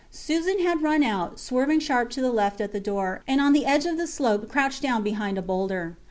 Susan had run out, swerving sharp to the left at the door, and on the edge of the slope crouched down behind a boulder.